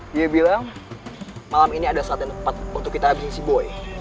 dia bilang malam ini ada saat yang tepat untuk kita mengisi boy